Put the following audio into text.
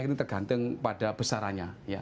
ini tergantung pada besarannya